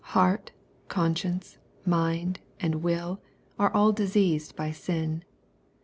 Heart, conscience, mind, and will, all are diseased by sin.